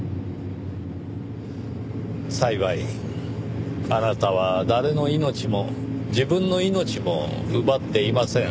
幸いあなたは誰の命も自分の命も奪っていません。